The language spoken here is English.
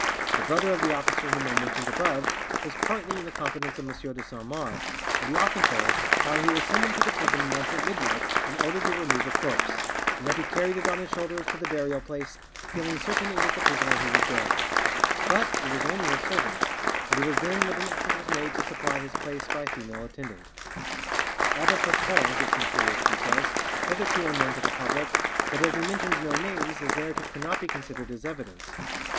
The brother of the officer whom I mentioned above was partly in the confidence of M. de Saint Mars, and he often told how he was summoned to the prison once at midnight and ordered to remove a corpse, and that he carried it on his shoulders to the burial place, feeling certain it was the prisoner who was dead; but it was only his servant, and it was then that an effort was made to supply his place by a female attendant." Abbe Papon gives some curious details, hitherto unknown to the public, but as he mentions no names his narrative cannot be considered as evidence.